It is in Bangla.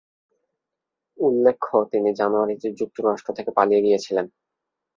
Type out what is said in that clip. উল্লেখ্য তিনি জানুয়ারিতে যুক্তরাষ্ট্র থেকে পালিয়ে গিয়েছিলেন।